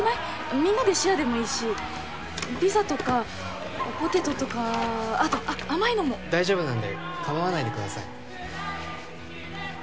みんなでシェアでもいいしピザとかポテトとかあとあっ甘いのも大丈夫なんでかまわないでください